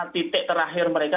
titik terakhir mereka